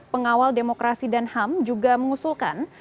pengawal demokrasi dan ham juga mengusulkan